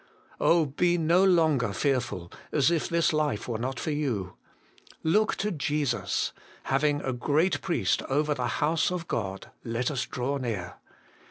Oh, be no longer fearful, as if this life were not for you ! Look to Jesus ; having a Great Priest over the House of God, let us draw near.